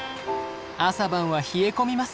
朝晩は冷え込みます。